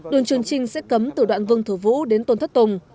đường trường trinh sẽ cấm từ đoạn vương thừa vũ đến tôn thất tùng